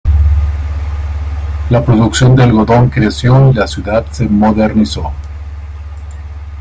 La producción de algodón creció y la ciudad se modernizó.